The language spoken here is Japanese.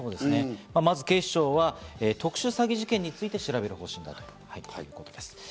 まず警視庁は特殊詐欺事件について調べる方針だということです。